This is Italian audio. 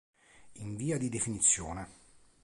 In via di definizione.